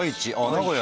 名古屋？